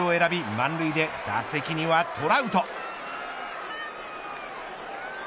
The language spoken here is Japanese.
満塁で打席にはトラウト。